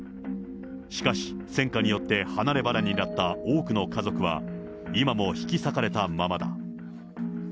しかし、戦禍によって離れ離れになった多くの家族は、今も引き裂かれたままだ。